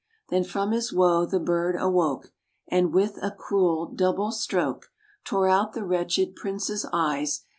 Then from his woe the bird awoke, And, with a cruel, double stroke, Tore out the wretched Prince's eyes.